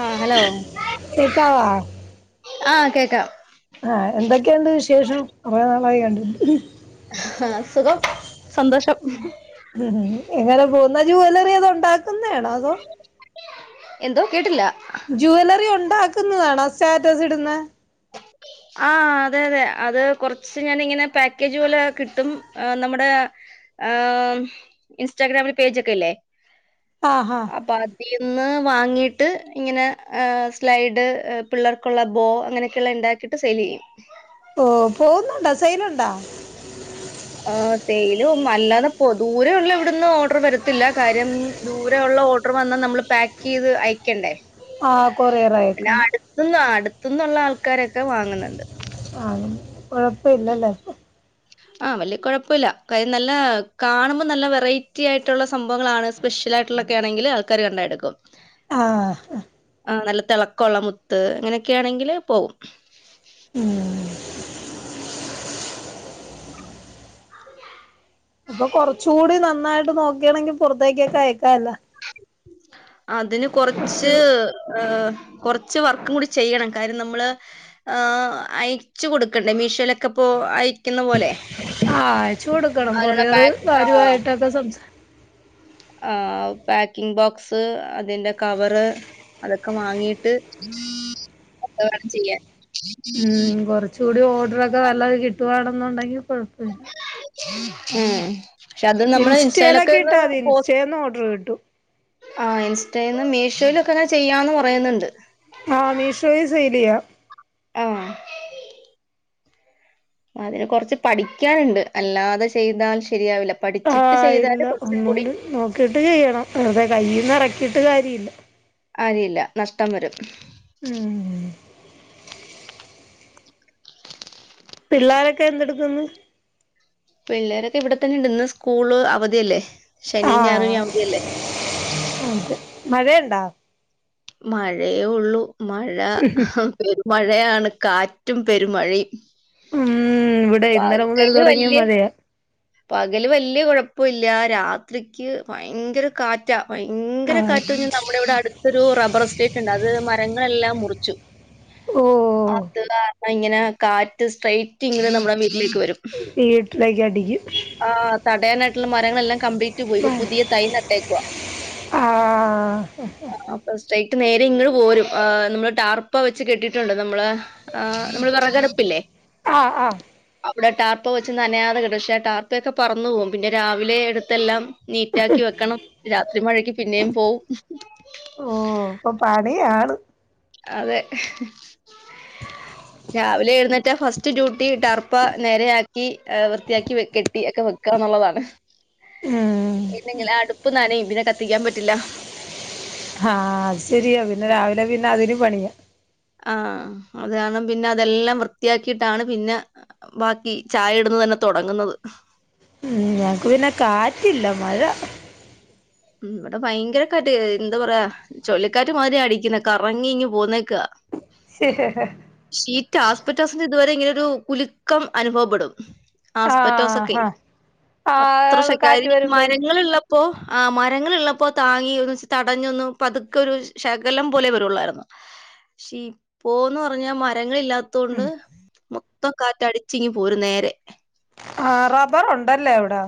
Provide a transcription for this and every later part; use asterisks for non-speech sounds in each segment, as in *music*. ആഹ hello കേക്കാവാ ആഹ കേക്കാം.. ആഹ എന്തൊക്കെണ്ട് വിശേഷം കുറെേ നാളായി കണ്ടിട്ട് ഹ്.. ആഹ സുഖം സന്തോഷം ഹ്ഹ്.. ഹ്ഹ്. എങ്ങനെ പോന്നു ജോവലറി അത്ണ്ടാക്കുന്നേണോ. അതോ.. എന്തോ.. കേട്ടില്ല.. ജുവല്ലറി ഉണ്ടാക്കുന്നതാണോ സ്റ്റാറ്റസ് ഇടുന്നേ. *unintelligible* ആ അതെ അതെ അത് കൊറച്ച് ഞാാനിങ്ങനെ പാക്കേജ് വോലെ കിട്ടും നമ്മുടെ.. ആംഹ്. ഇൻസ്റ്റാഗ്രാമില് പേജ് ഒക്കെ ഇല്ലേ.. ആ ആഹ അപ്പൊ അതിന്ന് വാങ്ങിട്ട് ഇങ്ങനെ ഹെ സ്ലൈഡ് പിള്ളേർക്കുള്ള ബോ അങ്ങനെകെ.. കല്ലണ്ടാക്കിട്ട് സെയിലെയ്യും.. ഓ പോവുന്നുണ്ടോ. സൈലുണ്ടാ.. ആ. തേയിലും അല്ലാതെപ്പോ ദൂരെയ ഉള്ള ഇവിടുന്ന് ഓർഡർ വരത്തില്ല കാര്യം. മ്മ്. ദൂരൊള്ള. ഓട്.. ഡർ. വന്നാ നമ്മള് പാക്ക്യ്ത് അയക്കണ്ടേ.. ആഹ് കൊറിയറ് അയക്കണം ഇന്നട്ത്ത്ന്നുള്ള ആൾക്കാരൊക്കെ വാങ്ന്നുണ്ട് ആഹ് കൊഴപ്പില്ലല്ലേ ആഹ് വല്ല്യ കൊഴപ്പല്ല കാര്യം നല്ല കാണുമ്പോ നല്ല വെറൈറ്റി ആയിട്ടുള്ള സംഭവങ്ങളാണ് ഷ്യലായിട്ടുള്ളക്കെ ആണെങ്കില് ആൾക്കാര് കണ്ടാ എട്ക്കും ആഹ് ആ ആ നല്ല തെളക്കോള്ള മുത്ത് അങ്ങനൊക്കെണെങ്കില് പോവും ഉം അപ്പൊ കൊറച്ചു കൂടി നന്നായിട്ട് നോക്കിയണെങ്കി പൊറത്തേക്കൊക്കെ അയക്കാല്ല. അതിന് കുറച്ച് കൊറച്ച് ഏഹ് കൊറച്ച് വർക്കും കൂടി ചെയ്യണം കാര്യം നമ്മള് ആ അയ്ച്ചു കൊടുക്കണ്ടേ മീഷോലൊക്കെ പ്പോ അയ് ക്കിന്ന പോലെ ആഹ് അയ്ന്ള്ള പാക് ആഹ് ത സംസാ ആഹ് പാക്കിങ് ബോക്സ് അതിന്റെ കവറ് അതൊക്കെ വാങ്ങിയിട്ട് ത്ത വേണം ചെയ്യാൻ ഉം കുറച്ചൂടി ഓഡ്റൊക്കെ നല്ലത് കിട്ടുവാണെന്നുണ്ടെങ്കി കൊഴ്പ്പേല്ല ഉം ഏഹ് ക്ഷെ അത് നമ്മള് ഇൻസ്റ്റയിലൊക്കെ ഒന്ന് പോസ് *unintelligible* ന്ന ഓർഡർ കിട്ടും ആഹ് ഇൻസ്റ്റെന്ന് മീഷോയിലൊക്കെ അങ്ങനെ ചെയ്യാന്ന് പറയ്ന്ന്ണ്ട് ആഹ് മീഷോൽ സെയ്ലെയ്യ ആഹ് അതിന് കൊറ്ച്ച് പഠിക്ക്യാണ്ട് അല്ലാതെ ചെയ്താൽ ശരിയാവില്ല പഠി ചിട്ട് ചെയ്താല് കൊറച് കുടി കിട്ട് ചെയ്യണം അതെ കയ്യീന്നെറക്കീട്ട് കാര്യല്ല ആരിയില്ല നഷ്ടം വരും ഉം പിള്ളാരെക്കെ എന്തെടുക്കുന്നു പിള്ളേരൊക്കെ ഇവിടെ തന്നെണ്ട് ഇന്ന് സ്കൂള് അവധിയല്ലേ ശനീം ഞായറും ആഹ് ഇഞ് അവധിയല്ലേ അതെ മഴയുണ്ടാ മഴയേ ഉള്ളൂ മഴ മഴയാണ് കാറ്റും പെരുമഴയും ഉം ഇവിടെ ഇന്നലെ മുതൽ പകല് തുടങ്ങിയ വല്ല്യെ മഴയാ പകല് വല്യ കൊഴപ്പോല്ല്യാ രാത്രിക്ക് ഭയങ്കര കാറ്റ് റ്റ ഭയങ്കര കാറ്റാ കാറ്റ് നമ്മുടെ ഇവിടെ അടുത്തൊരു റബർ എസ്റ്റേറ്റ് ണ്ട് അത് മരങ്ങളെല്ലാം മുറിച്ചു ഓഹ് അത് കാരണം ഇങ്ങനെ കാറ്റ് സ്ട്രൈറ്റ് ഇങ്ങനെ നമ്മുടെ വീട്ടിലേക്ക് വരും വീട്ടിലേക്ക് അടിക്ക്യും ആഹ് തടയാനായിട്ടുള്ള മരങ്ങളെല്ലാം കംപ്ലീ റ്റ് പോയിപ്പൊ പുതിയ തൈ നട്ടേക്കുവാ. ആഹ് ആ, പ്, റ്റ് സ്ട്രെറ്റ് നേരെ ഇങ്ങട് പോരും. ആ നമ്മള് ടാർപ്പ വെച്ച് കെട്ടീട്ടുണ്ട് നമ്മള ആഹ് മ്മള് വെറകടുപ്പില്ലേ ആഹ് ആ അവിടെ ടാർപ്പ വെച്ച് നനയാതെ കെട്ടും. ക്ഷെ ടാർപ്പ ഒക്കെ പറന്നു പോകും പിന്നെ രാവിലെ എടുത്തെല്ലാം നീറ്റാക്കി വെക്കണം രാത്രി മഴക്ക് പിന്നെയും പോവും. ഓഹ് ഇപ്പൊ പണിയാണ് അതെ രാവിലെ എഴുന്നേറ്റ ഫസ്റ്റ് ഡ്യൂട്ടി ട്ടർപ്പ നേരെയക്കി വൃത്തിയാക്കി കെട്ടി ഒക്കെ വെക്കാന്നുള്ളതാണ് ഉം ണ്ടെങ്കില് അടുപ്പ് നനയും പിന്നെ കത്തിക്കാൻ പറ്റില്ല ആഹ അത് ശരിയാ പിന്നെ രാവിലെ പിന്നെ അതിനന് പണിയാ ആഹ അതാണ് പിന്നെ അതെല്ലാം വൃത്തിയാക്കിയിട്ടാണ് പിന്നെ ബാക്കി ചായ ഇടന്ന് തന്നെ തുടങ്ങുന്നത് ഉം ഞങ്ങക്ക് പിന്നെ കാറ്റില്ല മഴ ഉ ഇവിടെ ഭയങ്കരക്കാറ്റ് എന്താ പറയാ ചൊഴലിക്കാറ്റ് മാതിരി അടിക്കുന്ന കറങ്ങി ഇങ്ങങ് പോന്നെക്കാ ഷീറ്റ് ഹാസ്പറ്റോസിന്റെ ഇതുവരെ ഇങ്ങനെ ഒരു കുലുക്കം അനുഭവപ്പെടും. ആഹ് ആസ്പറ്റോസൊക്കെ ഹാ അത്ര ആഹ് കാറ്റ് ശക്കാരി വരുമ്പഴത്തെ മരങ്ങളിള്ളപ്പോ ആഹ് മരങ്ങളൾള്ളപ്പോ താങ്ങി ഒന്ന് തടഞ്ഞൊന്ന് പതുക്കെരു ശ് ശകലം പോലെ വരുള്ളായിരുന്നു. ശീ പോന്ന് പറഞ്ഞാ മ മരങ്ങളില്ലാതോണ്ട് മൊത്തം കാറ്റ് അടിച്ചിങ്ങി പോരും നേരെ ആഹ് റബ്ബറുണ്ടല്ലേ എവ്ടെ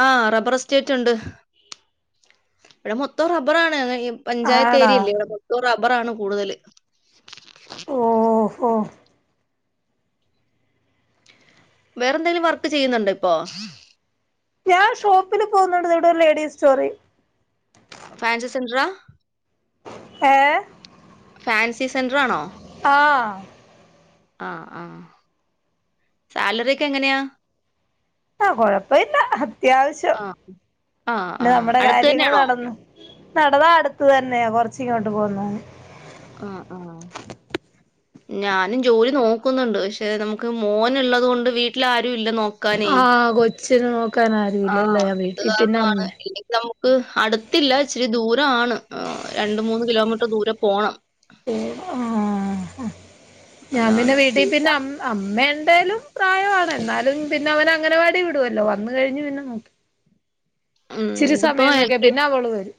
ആഹ് റബ്ബർ എസ്റ്റേറ്റ് ഇണ്ട്. ഇവിടെ മൊത്തം റബ്ബറാണ് പഞ്ചായത്ത് ആണാ ഏരിയല്ലേ ഇവിടെ മൊത്തോം റബ്ബറാണ് കൂടുതല്. ഓഹോ വേറെ എന്തെങ്കിലും വർക്ക് ചെയ്യുന്നുണ്ടോ ഇപ്പൊ ഞാൻ ഷോപ്പില് പോകുന്നുണ്ട്ത് ഇവിടെ ഒരു ലേഡീസ് സ്റ്റോറി ഫാൻസി സെന്ററാ ഏഹ് ഫാൻസി സെന്ററാണോ ആഹ് ആഹ് ആഹ് സാലറി ഒക്കെ എങ്ങനെയാ ആഹ് കൊഴപ്പല്ല അത്യാവശ്യം ആ, ആ, ആ. പിന്നെ നമ്മുടെ അടുത്ത് കാര്യങ്ങൾ തന്നെയാണോ? നടന്ന് നടതാ അടുത്തു തന്നെ കൊർച്ചിങ്ങോട്ട് പോന്നു. ആഹ് ആഹ് ഞാനും ജോലി നോക്കുന്നുണ്ട് പക്ഷെ നമുക്ക് മോന്ള്ളത് കൊണ്ട് വീട്ടിലാരും ഇല്ല നോ ആഹ് കൊച്ചിനെ നോക്കാൻ ആരുല്ലല്ലേ വീട്ടിൽ പിന്നെ അമ്മേ *inaudible* ഹ് അടുത്തില്ല ഇച്ചിരി ദൂരാണ് രണ്ട് മൂന്ന് കിലോമീറ്റർ ദൂരെ പോണം. *unintelligible* ആഹ് ഞാൻ പിന്നെ അതാണ്. വീട്ടീ പിന്നെ വീട്ടാ. അമ് അമ്മ എന്തേലും പ്രായമാണ് എന്നാലും പിന്നെ അവന അങ്ങനവാടി വിടുവല്ലോ വന്ന് കഴിഞ്ഞ് പിന്നെ നോക്കി ഉം. ചിരി ഇതിപ്പോ സമയം നോക്കിയാ പിന്നെ അവള് വരും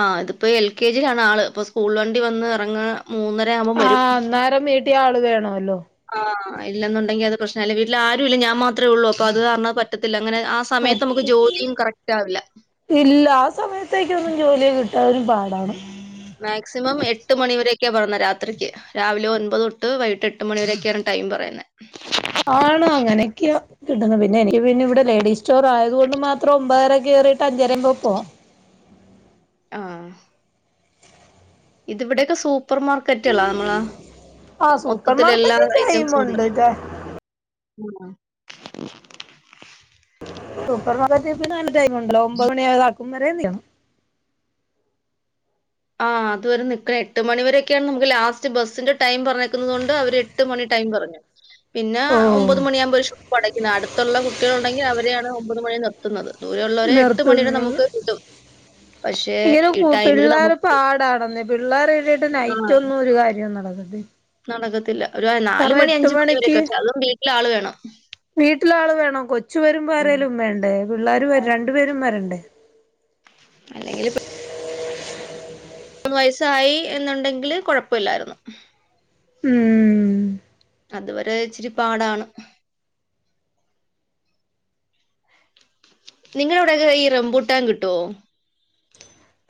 ആഹ് ഇത്പ്പോ എൽ കെ ജിയിലാണ് ആള് ഇപ്പ സ്കൂൾ വണ്ടി വന്ന് ഇറങ്ങാ മൂന്നര ആകു ആഹ് അന്നേരം വീട്ടി ആള് വേണോല്ലോ. ആഹ് ഇല്ലെന്നുണ്ടെങ്കിൽ അത് പ്രശ്നല്ലെ വീട്ടിൽ ആരും ഇല്ല ഞാൻ മാത്രേ ഒള്ളൂ അപ്പ അത് കാരണം. പറ്റത്തില്ല ഇങ്ങനെ ആസ് സമയത്ത് നമുക്ക് പറ്റും ജോലിയും കറക്റ്റ് ആവില്ല. ഇല്ല ആ സമയത്തൊക്കെഒന്നും ജോലി കിട്ടാനും പാടാണ് മാക്സിമം എട്ട് മണിവരൊക്കെയാണ് പറഞ്ഞത് രാത്രിക്ക്. രാവിലെ ഒൻപതൊെട്ട് വൈകിട്ട് എട്ട് മണിവ വരൊയൊക്കെയാണ് ടൈം പറയുന്നേ ഉം ആണ് അങ്ങനെയൊക്കെയ കിട്ടുന്നത് പിന്നെ എനിക്ക് പിന്നെ ഇവിടെ ലേഡീസ് സ്റ്റോർ ആയതു കൊണ്ട് മാ ഒമ്പതരരെ കേറീട്ട് അഞ്ചരെ പോവും ആഹ് ഇത് ഇവിടെയൊക്കെ സൂപ്പർ മാർ ക്കറ്റളാ നമ്മളാ ആഹ് സൂപ്പർ മൊത്തത്തിലെല്ലാ മാർക്കറ്റിൽ ഐറ്റംസും ടൈമുണ്ട് ഉണ്ട്. ഉം ഉം സൂപ്പർമാർക്കറ്റ്പ്പിന്നെ എൻ ടൈം ഉണ്ടല്ലോ ഒമ്പത് മണിആയ ഒരാക്കും വരെ ചെയ്യാണം ആഹ് അതുവരെ നിക്ക എട്ട് മണി വരൊക്കെയാണ് നമുക്ക് ലാസ്റ്റ് ബസ്സിന്റെ ടൈം പറഞ്ഞേക്കുന്നത് കൊണ്ട് അവര് എട്ട് മണി ടൈം പറഞ്ഞു. പിന്നെ ഓഹ് ഒമ്പത് മണിയാകുമ്പോൾ ഷോപ്പ് അടയ്ക്കുന്ന അടുത്തുള്ള കുട്ടികളുണ്ടെങ്കിൽ അവരെയാണ് ഒമ്പത് മണി നിർ ത്തുന്നത്. ദൂരെയുള്ളവരെ എട്ട് മണിയരെ നിർത്തുന്നത് നമുക്ക് *unintelligible* പക്ഷേ ഇങ്ങനെ ഈ കു ടൈമില് പിള്ളേർ നമുക്ക് പാടാണെന്നെ. പിള്ളേരെയിട്ടിട്ട് ആഹ് നൈറ്റ് ഒന്നും ഒരു കാര്യം നടന്നിട്ടില്ല. നടക്കത്തില്ല ഒരു നാല് മണി അഞ്ച് മണി മണിക്ക് വരെക്കെ പക്ഷെ അതും വീട്ടിലാള് വേണം. വീട്ടിലാള് വേണം കൊച്ചുവരുമ്പോ ഉം. ആരേലും വേണ്ടേ പിള്ളേരും വര രണ്ടു പേരും വരണ്ടേ. അല്ലെങ്കിൽപ്പ മൂന്ന് വയസായി എന്നുണ്ടെങ്കില് കുഴപ്പല്ലായിരുന്നു. ഉം അത്‌വരെ ഇച്ചിരി പാടാണ്. നിങ്ങളവിടെയൊക്കെ ഈ റംബുട്ടാൻ കിട്ടുവോ?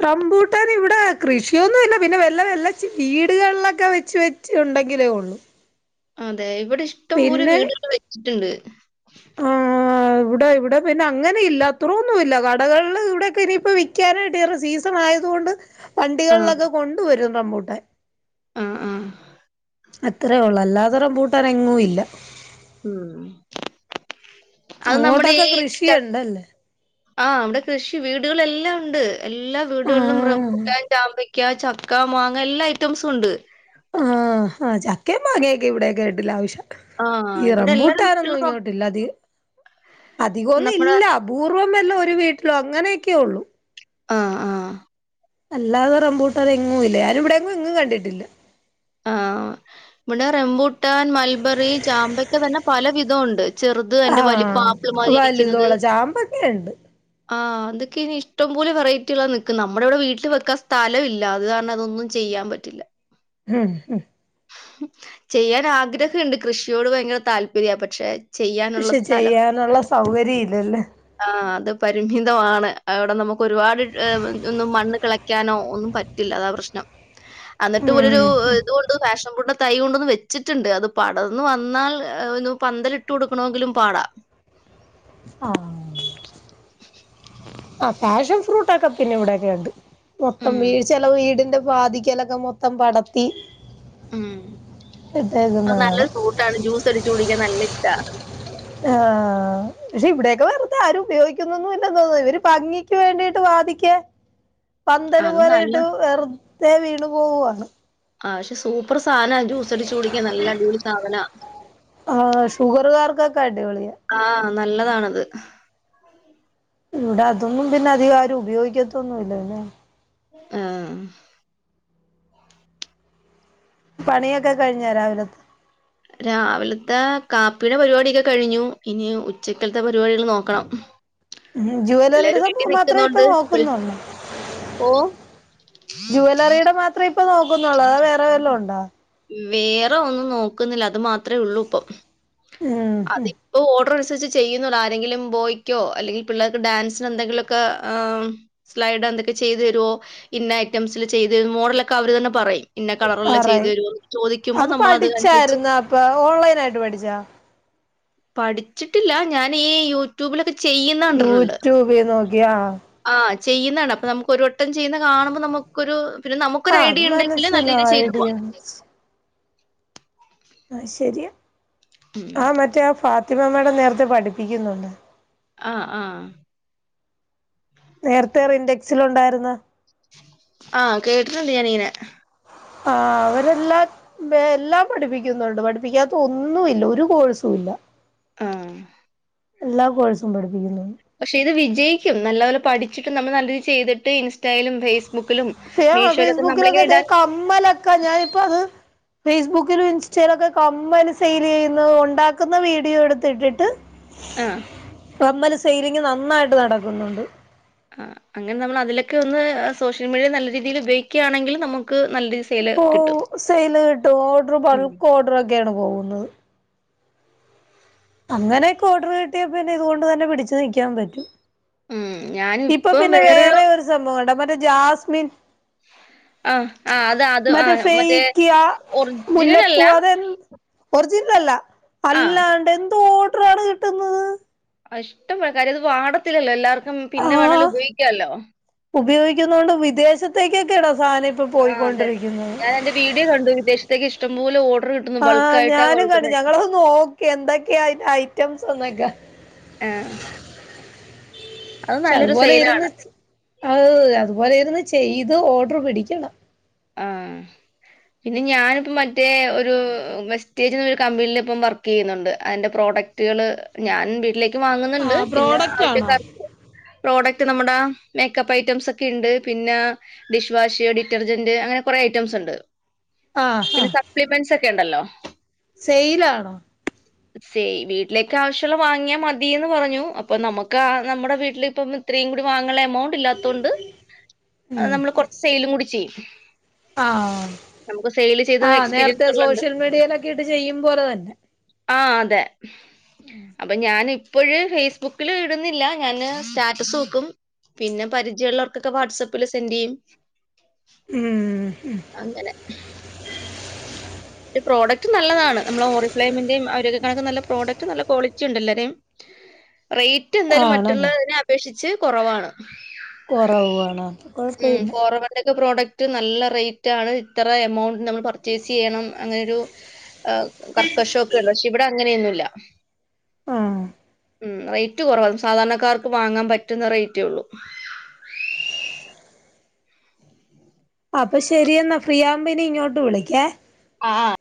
റംമ്പൂട്ടൻ ഇവിടെ കൃഷിയൊന്നുല്ല പിന്നെ വെല്ല വെല്ല വീടുകളിലൊക്കെ വെച് വെ ച്ചുണ്ടെങ്കിലേ ഉള്ളൂ അതെ ഇവിടെ ഇഷ്ടംപോലെ പിന്നെ വീടുകൾ വെച്ചിട്ടുണ്ട്. ആഹ് ഇവിടെ ഇവിടെ പിന്നെ അങ്ങനെ ഇല്ല അത്രൊന്നുല്ല കടകള്ല് ഇവിടെക്കെ ഇനിയിപ്പോ വിക്കാനായിട്ട് ഒരു സീസ് ആയത് കൊണ്ട് ആഹ് വണ്ടികളിലൊക്കെ കൊണ്ടുവരും റംബൂട്ടാൻ. ആഹ് ആഹ്. അത്രേ ഒള്ളൂ അല്ലാത റംബൂട്ടാനെങ്ങുഇല്ല. ഉം അത് നമ്മുടെ അങ്ങോട്ടൊക്കെ ഈ ച കൃഷിയുണ്ടല്ലേ ആ അവിടെ കൃഷി വീടുകളെല്ലാം ഉണ്ട് എല്ലാ വീടുകളിലും ആഹ് റംബൂട്ടാൻ ചാമ്പ ക്ക, ചക്ക, മാങ്ങ എല്ലാ ഐറ്റംസും ഉണ്ട്. ആ ആ ചക്കയും മാങ്ങയൊക്കെ ഇവിടെയൊക്കെ ഇട്ടിലാവശ്യ. ആ ഇ ഇവിടെ എല്ലാ വീട്ടിലും റംബൂട്ടാനൊന്നും നം ഇങ്ങോട്ടില്ല അധികം അധികന്നും നമ്മുടെ ഇല്ല. അപൂർവം വല്ലാം ഒരു വീട്ടിലോ അങ്ങനെയൊക്കെയെ ഉള്ളൂ. ആഹ് ആ അല്ലാതെ റംമ്പൂട്ടൻ എങ്ങും ഇല്ല ഞാനിവിടെ എങ്ങും കണ്ടിട്ടില്ല. ആഹ് ഇവടെ റംബൂട്ടൻ, മൽബറി, ചാമ്പയ്ക്ക തന്നെ പല വിധം ഉണ്ട്. ചെറുത് അയിന്റെ വലിപ്പം ആഹ് ആപ്പിൾ മാതിരി ഇരിക്കുന്നത്. വലുതോള ചാമ്പൊക്കെ ഉണ്ട് ആഹ് ഇതൊക്കെനി ഇഷ്ടംപോലെ വെറൈറ്റികള നിക്കുന്നെ നമ്മുടെ ഇവിടെ വീട്ടില് വെക്കാൻ സ്ഥലമില്ല അത് കാരണം അതൊന്നും. ചെയ്യാംപറ്റില്ല. *unintelligible* ചെയ്യാനാഗ്രഹണ്ട് കൃഷിയോട് ഭയങ്കര താല്പര്യ പക്ഷെ. ചെയ്യാനുള്ള പക്ഷെ സ്ഥലം ചെയ്യാനുള്ള സൗകര്യ ഇല്ലല്ലേ. ആ അത് പരിമിതമാണ് അവിടെ നമുക്ക് ഒരുപാട് ഒന്നും മണ്ണ്കളെ ക്കാനോ ഒന്നും പറ്റില്ല അതാ പ്രശ്നം അന്ന്ട്ട് ഉം ഉം പോലൊരുഇതുണ്ട് ഫാഷൻ ഫ്രൂട്ട്. തൈ കൊണ്ടൊന്ന് വെച്ചിട്ടുണ്ട് അത് പടർന്ന് വന്നാൽ പന്തലിട്ട് കൊടുക്കണങ്കിലും പാടാ. ആഹ് ആ പാഷൻ ഫ്രൂട്ട്ഒക്കെ പിന്നെ ഇവിടെക്കെ ഉണ്ട്. മൊത്തം ഉം. വീട് ചില വീടിന്റെ വാധിക്കലൊക്കെ മൊത്തം പടത്തി. ഉം ഇട്ടേക്കുന്ന അത് നല്ല കാണാം ഫ്രൂട്ടാണ് ജ്യൂസ് അടിച്ച് കുടിക്കാൻ നല്ല ഇഷ്ട. ആഹ് പക്ഷെ ഇവിടെയൊക്കെ വെറുതെ ആരും ഉപയോഗിക്കുന്നൊന്നും ഇല്ല തോന്ന ഇവര് ഭംഗിക്ക് വേണ്ടിട്ട് വാദിക്ക. പന്തല് അത് നല്ല പോലെയിട്ട് വെറുതെ വീണു പോവാണ് ആ പക്ഷെ സൂപ്പർ സാധനാ ജ്യൂസടിച്ച് കുടിക്കാ നല്ല അടിപൊളി സാധനാ. ആ ഷുഗറുകാർക്കൊക്കെ അടിപൊളിയ. ആഹ് നല്ലതാണത്. ഇവിടെ അതൊന്നും പിന്നെ അധികം ആരും ഉപയോഗിക്കത്തൊന്നുല്ല ല്ലേ. ആഹ് പണിയൊക്കെ കഴിഞ്ഞാ രാവിലത്തെ. രാവിലത്തെ കാപ്പിയുടെ പരിപാടിയക്കെ കഴിഞ്ഞു ഇനി ഉച്ചക്കത്തെ പരിപാടികൾ നോക്കണം. ജ്വലറിയുടെ പിള്ളേര് വീട്ടിൽ സംഭവം മാത്ര ഇപ്പ നിൽക്കുന്നോണ്ട് വിളി- നോക്കുന്നുള്ളൂ. ഓ? ജുവലറിയുടെ മാത്രം ത്ര ഇപ്പെ നോ വേറെ ഒന്നും നോക്കുന്നില്ല അത് മാത്ര ത്രേ ഉള്ളൂ ഇപ്പം ഉം, അതി ഉം. ഇപ്പൊ ഓർഡർ അനുസരിച്ച് ചെയ്യുന്നു ആരെങ്കിലും ബോയ്ക്കോ അല്ലെങ്കിൽ പിള്ളേർക്ക് ഡാൻസിന് എന്തെങ്കിലുമൊക്കെ ആ സ്ലൈഡ് എന്തൊക്കെ ചെയ്ത് തരോ ഇന്ന ഐറ്റംസിൽ ചെയ്ത് മോഡലൊക്കെ അവർ തന്നെ പറയും ന്ന കളറ്ള്ളെ ചെയ്ത് ആറായി തരോ ചോദിക്കുമ്പോൾ നമ്മൾ അത് അനുസരിച്ച് ഇപ്പ ഓൺലൈൻ ആയിട്ട് പഠിച്ചാ പഠിച്ചിട്ടില്ല ഞാൻ ഈ യൂട്യൂബിലൊക്കെ ചെയ്യുന്ന കണ്ടിട്ടുണ്ട് യൂട്യൂബിൽ നോക്കിയാ ആ ചെയ്യുന്നകണ്ട് അപ്പൊ നമുക്ക് ഒരു വട്ടം ചെയ്യുന്ന കാണുമ്പോ നമ്മുക്ക് ക്കൊരു പിന്നെ ആ നമുക്കൊര് അത് ഐഡിയ ഉണ്ടെങ്കില് നല്ല രീതിൽ ചെയ്തു മനസ്സിലായടി പോകാം ആ ശരിയാ ഉം. ആ മറ്റേ ഫാത്തിമ മേടം നേരത്തെ പഠിപ്പിക്കുന്നുണ്ട് ആഹ് ആഹ് നേരത്തെ റിൻഡെക്സില് ഉണ്ടായിരുന്ന ആ കേട്ടിട്ടുണ്ട് ഞാനിങ്ങനെ ആ അവരെല്ലാം എല്ലാം പഠിപ്പിക്കുന്നുണ്ട് പഠിപ്പിക്കാത്ത ഒന്നും ഇല്ല ഒരു കോഴ്സും ഇല്ല ആഹ് എല്ലാ കോഴ്സും പഠിപ്പിക്കുന്നു പക്ഷെ ഇത് വിജയിക്കും നല്ലപോലെ പഠിച്ചിട്ടും നമ്മൾ നല്ല രീതി ചെയ്തിട്ട് ഇ ലും ഫേസ്ബുക്കിലും മീഷോലൊക്കെ നമ്മളിങ്ങനെ ഇടാൻ മ്മലക്കാ ഞാനിപ്പ അത് ഫേസ്ബുക്കിലും ഇൻസ്റ്റയിലൊക്കെ കമ്മൽ സെയിൽ ചെയ്യുന്നു ഉണ്ടാക്കുന്ന വീഡിയോ എടുത്തിട്ടിട്ട് ആഹ് കമ്മൽ സെയിലിങ്ങ് നന്നായിട്ട് നടക്കുന്നുണ്ട് ആ അങ്ങനെ നമ്മള് അതിലൊക്കെ ഒന്ന് സോഷ്യൽ മീഡിയ നല്ല രീതിയില് ഉപയോഗികാണെങ്കി നമ ക്ക് നല്ല രീതി സെയ് ഓ സെൽ കിട്ടും ഓർഡർ ഉം. ബൾക്ക് ഓർഡറൊക്കെയാണ് പോകുന്നത് അങ്ങനെയൊക്കെ ഓർഡർ കിട്ടിയ പിന്നെ ഇതുകൊണ്ട് തന്നെ പിടിച്ച് നിൽക്കാൻ പറ്റും ഉം ഇപ്പൊ ഞാനിപ്പം പിന്നെ വേറൊരു വേറെ ഒരു സംഭവം ഉണ്ട് മറ്റേ ജാസ്മിൻ ആ ആ അത് അത് ആ മറ്റെ മറ്റേ ഫേക്കിക ഒറിജിനൽ അല്ല മുല്ലപ്പൂ അതെ ഒറിജിനൽ അല്ല ആ അല്ലാണ്ട് എന്ത് ഓർഡറാണ് കിട്ടുന്നത് ഇഷ്ടള്ളകാര്യ അത് വാങ്ങണന്നില്ലല്ലോ എല്ലാവർക്കും പിന്നെ വേണേലും ഉപയോഗിക്കാല്ലോ ഉപയോഗിക്കുന്നുന്നത് കൊണ്ട് വിദേശത്തേക്കൊക്കെടോ സാധനം ഇപ്പോ ആ അതെ പോയിക്കൊണ്ടിരിക്കുന്നത് ഞാൻ എന്റെ വീഡിയോ കണ്ടു വിദേശത്തേക്ക് ഇഷ്ടംപോലെ ഓർഡർ കിട്ടുന്നു ബൾക്കായിട്ടാ കൊടുക്കുന്നത് ഓക്കെ എന്തൊക്കെയാതി ഐറ്റംസ് എന്നൊക്കെ ആഹ് പക്ഷെ അതുപോലെ സെയിലാണ് ഇരുന്ന് ആ അതുപോലെ ഇരുന്ന് ചെയ്ത് ഓർഡർ പിടിക്കണം ആഹ് പിന്നെ ഞാനിപ്പം മറ്റേ ഒരു വെസ്റ്റേജ്ന്ന് ഒരു കമ്പനിൽ ഇപ്പം വർക്ക് ചെയ്യുന്നുണ്ട് അതിന്റെ പ്രോഡക്റ്റ് ക്റ്റ്കള് ഞാൻ വീട്ടിലേക്ക് വാങ്ങുന്നുണ്ട് ആഹ് പിന്നെ പ്രോഡക്റ്റ് ആണോ ആവശ്യകാ പ്രോഡക്റ്റ് നമ്മുടെ മേക്കപ്പ് ഐറ്റംസ് ഒക്കെ ഉണ്ട് പിന്നെ ഡിഷ് വാഷ് ഡിറ്റർ ജന്റ് അങ്ങനെ കൊറേ ഐറ്റംസ് ഉണ്ട് ആഹ് പിന്നെ ആഹ് സപ്ലിമെന്റ്സ് ഒക്കെ ഉണ്ടല്ലോ സെയിലാണോ സേ വീട്ടിലേക്കെ ആവശ്യമുള്ള വാങ്ങിയാൽ മതിന്ന് പറഞ്ഞു അപ്പൊ നമുക്ക് ആ നമ്മുടെ വീട്ടിലിപ്പം ഇത്രയും കൂടി വാങ്ങുള്ള എമൗണ്ട് ഇല്ലാത്തൊണ്ട് ഉം നമ്മൾ കുറച്ച് സെയിലും കൂടി ചെയ്യും ആ നമുക്ക് സെയിൽ ചെയ്ത് ആ നേരത്തെ എക്സ്പീരിയൻസ് ഉള്ളതുകൊണ്ട് സോഷ്യൽ മീഡിയയിലൊക്കെ ഇട്ട് ചെയ്യും പോലെ തന്നെ ആ അതെ അപ്പൊ ഞാൻ ഇപ്പോഴ് ഫേസ്ബുക്കിലി ഇടുന്നില്ല ഞാന് സ്റ്റാറ്റസ് വെക്കും പിന്നെ പരിചയള്ളോർക്കൊക്കെ വാട്സആപ്പില് സെൻ്റ് ചെയ്യും ഉം ഹും അങ്ങനെ പ്രോഡക്റ്റ് നല്ലതാണ് നമ്മള് ഹോറിഫ്ലൈമിന്റെയും അവരൊക്കെ കണക്കെ നല്ല പ്രോഡക്റ്റ് നല്ല ക്വാളിറ്റിണ്ട്ല്ലാവരേയും റേറ്റ് എന്തായാലും ആണല്ലേ മറ്റുള്ളതിനെ അപേക്ഷിച്ച് കുറവാണ് കൊറവാണ് ഉം കൊഴപ്പമില്ല ഫോർവേഡിന്റെ ഒക്കെ പ്രോഡക്ട് റ്റ് നല്ല റേറ്റ് ആണ് ഇത്ര എമൗണ്ട് നമ്മൾ പർച്ചേസ് ചെയ്യണം അങ്ങനൊരു ആഹ് കർക്കശൊക്കെ ഉണ്ട് പക്ഷേ ഇവിടെ അങ്ങനെയൊന്നുംല്ല ആഹ് ഉം റേറ്റ് കുറവ ഒരു സാധാരണക്കാർക്ക് വാങ്ങാൻ പറ്റുന്ന റേറ്റേ ഉള്ളു അപ്പൊ ശരിയെന്നാ ഫ്രീയാവുമ്പോ ഇനി ഇങ്ങോട്ട് വിളിക്കേ ആഹ്